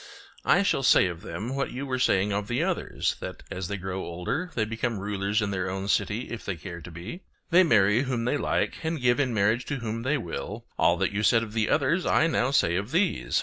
I shall say of them, what you were saying of the others, that as they grow older, they become rulers in their own city if they care to be; they marry whom they like and give in marriage to whom they will; all that you said of the others I now say of these.